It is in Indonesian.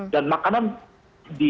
dan makanan di mako brimob itu